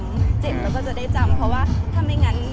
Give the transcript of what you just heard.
แม็กซ์ก็คือหนักที่สุดในชีวิตเลยจริง